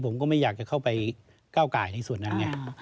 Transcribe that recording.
ผมก็ไม่อยากจะเข้าไปก้าวไก่ในส่วนนั้นไง